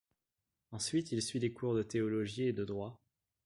Ensuite, il suit des cours de théologie et de droit.